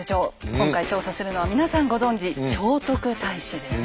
今回調査するのは皆さんご存じ「聖徳太子」ですね。